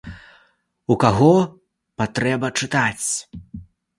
У каго патрэба чытаць.